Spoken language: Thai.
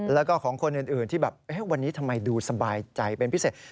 แล้วก็ของคนอื่นที่แบบวันนี้ทำไมดูสบายใจเป็นพิเศษ